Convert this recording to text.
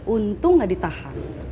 untung gak ditahan